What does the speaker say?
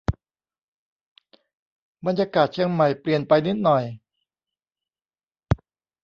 บรรยากาศเชียงใหม่เปลี่ยนไปนิดหน่อย